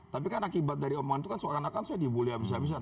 tapi kan akibat dari omongan itu kan seakan akan saya dibully habis habisan